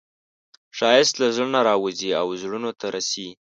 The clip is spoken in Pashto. ښایست له زړه نه راوځي او زړونو ته رسي